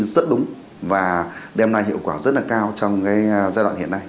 rất đúng và đem lại hiệu quả rất là cao trong cái giai đoạn hiện nay